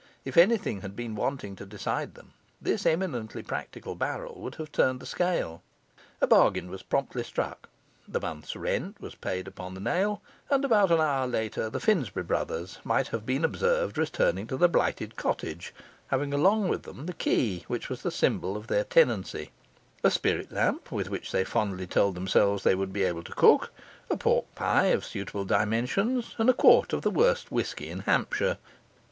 If anything had been wanting to decide them, this eminently practical barrel would have turned the scale. A bargain was promptly struck, the month's rent was paid upon the nail, and about an hour later the Finsbury brothers might have been observed returning to the blighted cottage, having along with them the key, which was the symbol of their tenancy, a spirit lamp, with which they fondly told themselves they would be able to cook, a pork pie of suitable dimensions, and a quart of the worst whisky in Hampshire.